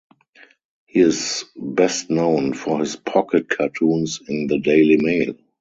He is best known for his pocket cartoons in the Daily Mail.